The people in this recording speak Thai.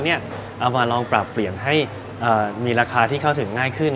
เอามาลองปรับเปลี่ยนให้มีราคาที่เข้าถึงง่ายขึ้น